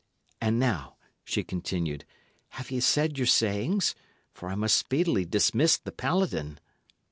And now," she continued, "have ye said your sayings? for I must speedily dismiss the paladin."